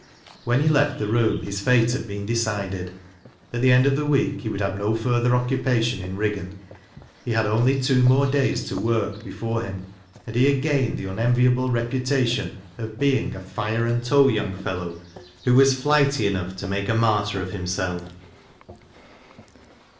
When he left the room his fate had been decided. Al the end of the week he would have no further occupation in Riggan. He had only two more days' work before Mm rns DECISION. 22i and he had gained the unenviable rep tation of beinji E fire and tow young fellow, who was f ^ghty en(Aigh t make a martyr of himself.